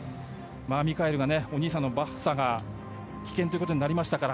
ミカエルがお兄さんのバッサが棄権ということになりましたから。